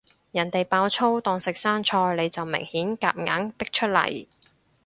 人哋爆粗當食生菜，你就明顯夾硬逼出嚟